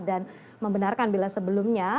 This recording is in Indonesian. dan membenarkan bila sebelumnya